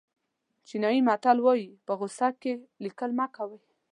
چینایي متل وایي په غوسه کې لیکل مه کوئ.